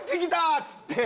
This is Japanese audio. っつって。